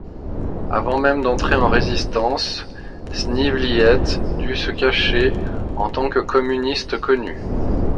Avant même d'entrer en résistance, Sneevliet dut se cacher, en tant que communiste connu.